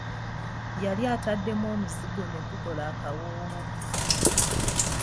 Yali ataddemu omuzigo ne gukola akawoowo.